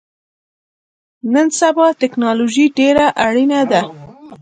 نن سبا ټکنالوژی ډیره اړینه ده